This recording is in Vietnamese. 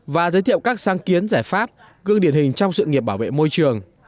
và giới thiệu các sáng kiến giải pháp gương điển hình trong sự nghiệp bảo vệ môi trường